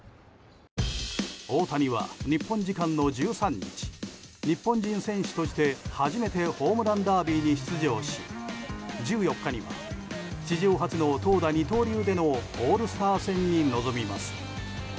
大谷は日本時間の１３日日本人選手として初めてホームランダービーに出場し、１４日には史上初の投打二刀流でのオールスター戦に挑みます。